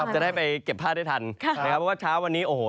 จะได้ไปเก็บผ้าได้ทันนะครับเพราะว่าเช้าวันนี้โอ้โห